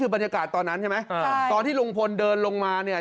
คือบรรยากาศตอนนั้นใช่ไหมตอนที่ลุงพลเดินลงมาเนี่ย